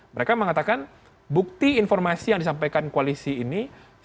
mereka mengatakan bukti informasi yang disampaikan koalisi ini